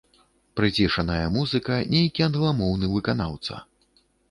Прыцішаная музыка, нейкі англамоўны выканаўца.